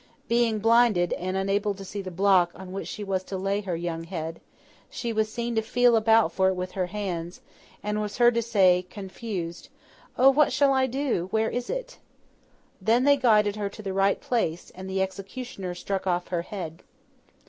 Being blinded, and unable to see the block on which she was to lay her young head, she was seen to feel about for it with her hands, and was heard to say, confused, 'O what shall I do! Where is it?' Then they guided her to the right place, and the executioner struck off her head.